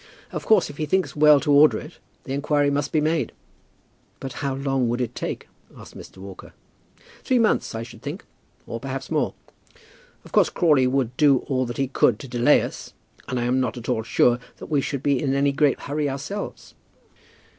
"Of course, if he thinks well to order it, the inquiry must be made." "But how long would it take?" asked Mr. Walker. "Three months, I should think, or perhaps more. Of course Crawley would do all that he could to delay us, and I am not at all sure that we should be in any very great hurry ourselves."